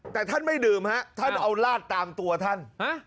แต่ท่านไม่ดื่มฮะท่านเอาลาดตามตัวท่าน